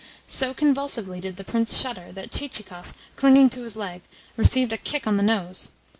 So convulsively did the Prince shudder that Chichikov, clinging to his leg, received a kick on the nose.